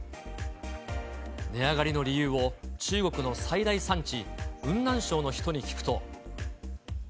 値上がりの理由を、中国の最大産地、雲南省の人に聞くと。